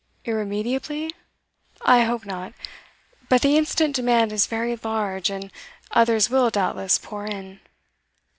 "Irremediably? I hope not but the instant demand is very large, and others will, doubtless, pour in."